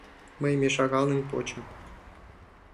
Мый мешак аҥым почым.